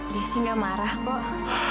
desi nggak marah kok